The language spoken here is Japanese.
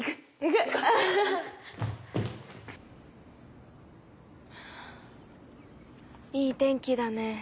はぁいい天気だね。